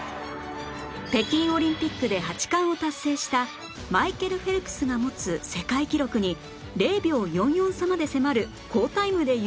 北京オリンピックで８冠を達成したマイケル・フェルプスが持つ世界記録に０秒４４差まで迫る好タイムで優勝